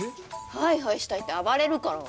ハイハイしたいって暴れるから。